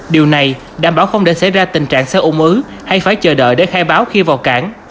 điều này đảm bảo không để xảy ra tình trạng xe ôm ứ hay phải chờ đợi để khai báo khi vào cảng